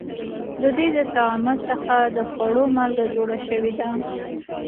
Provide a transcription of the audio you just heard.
د دوی د تعامل څخه د خوړو مالګه جوړه شوې ده.